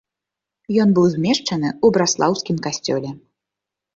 Ён быў змешчаны ў браслаўскім касцёле.